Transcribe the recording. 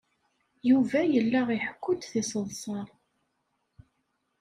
Yuba yella iḥekku-d tiseḍsa.